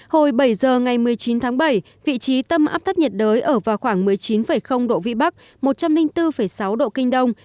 hồi bảy giờ ngày một mươi chín tháng bảy vị trí tâm áp thấp nhiệt đới ở vào khoảng một mươi chín độ vĩ bắc một trăm linh bốn sáu độ kinh đông